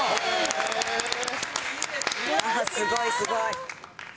すごいすごい。